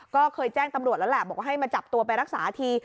ก็เคยแจ้งตำรวจแล้วแหละบอกว่าให้มาจับตัวไปรักษาที